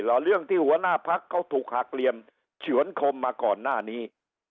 เรื่องที่หัวหน้าพักเขาถูกหักเหลี่ยมเฉือนคมมาก่อนหน้านี้